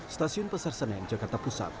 stasiun pasar senen jakarta pusat